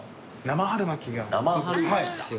生春巻きだ。